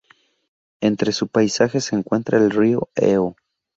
Entre su paisaje se encuentra el río Eo.